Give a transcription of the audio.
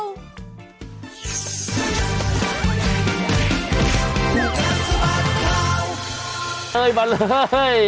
เฮ้ยมาเลย